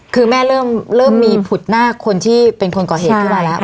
คือแม่เริ่มมีผุดหน้าคนที่เป็นคนก่อเหตุขึ้นมาแล้ว